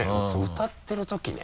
歌ってるときね。